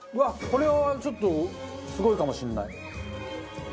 これはちょっとすごいかもしれない。